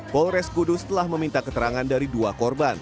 polres kudus telah meminta keterangan dari dua korban